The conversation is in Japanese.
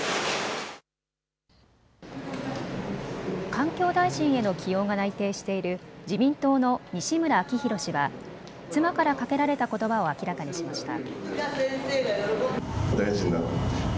環境大臣への起用が内定している自民党の西村明宏氏は妻からかけられたことばを明らかにしました。